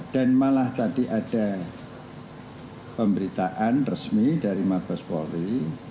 dan malah tadi ada pemberitaan resmi dari mahfuz polri